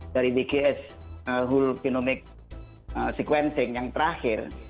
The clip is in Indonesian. dari wgs whole phenomic sequencing yang terakhir